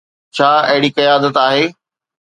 ڇا اهڙي قيادت آهي؟